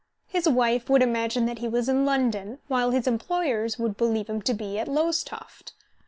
His wife would imagine that he was in London, while his employers would believe him to be at Lowestoft.